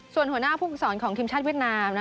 ส่วนหัวหน้าผู้ฝึกศรของทีมชาติเวียดนาม